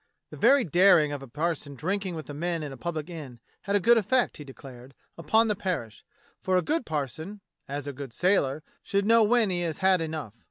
The very daring of a par son drinking with the men in a public inn had a good effect, he declared, upon the parish, for a good parson, as a good sailor, should know when he has had enough.